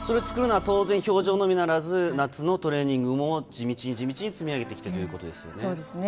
作るのは氷上のみならず、夏のトレーニングも地道に積み上げてということですよね。